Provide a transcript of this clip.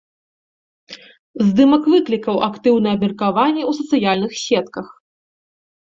Здымак выклікаў актыўнае абмеркаванне ў сацыяльных сетках.